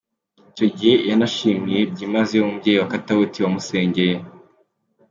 Icyo gihe yanashimiye byimazeyo umubyeyi wa Katauti wamusengeye.